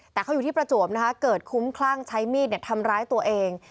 แต่เขาอยู่ที่ประจวบนะคะเกิดคุ้มคลั่งใช้มีดทำร้ายตัวเอง